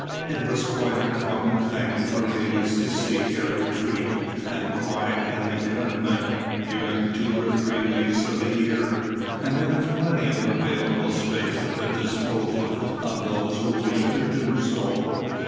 It was quite a common thing for ladies to seek retreat and quiet in the convent during two or three weeks of the year, and there was plenty of available space at the disposal of those who wished to do so.